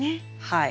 はい。